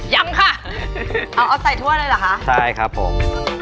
ยำค่ะเอาเอาใส่ทั่วเลยเหรอคะใช่ครับผม